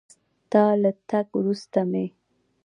ستا له تګ وروسته مې